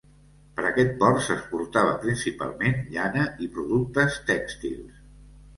Per aquest port s'exportava principalment llana i productes tèxtils.